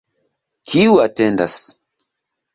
Kiu atendas?